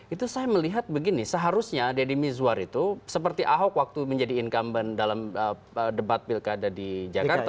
itu saya melihat begini seharusnya deddy mizwar itu seperti ahok waktu menjadi incumbent dalam debat pilkada di jakarta